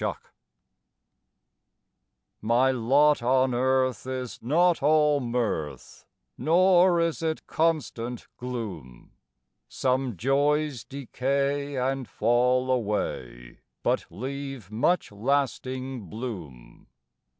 MY LOT My lot on earth is not all mirth, Nor is it constant gloom; Some joys decay and fall away, But leave much lasting bloom.